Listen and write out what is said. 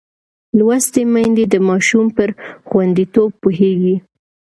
لوستې میندې د ماشوم پر خوندیتوب پوهېږي.